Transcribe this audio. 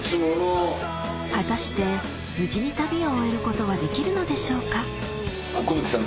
果たして無事に旅を終えることはできるでしょうか奥貫さん